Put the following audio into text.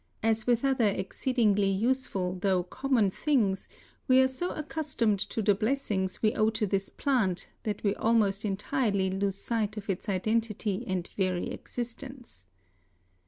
As with other exceedingly useful, though common things, we are so accustomed to the blessings we owe to this plant that we almost entirely lose sight of its identity and very existence.